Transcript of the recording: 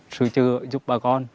sự chữa giúp bà con